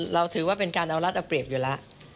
ถือว่าเป็นการเอารัฐเอาเปรียบอยู่แล้ว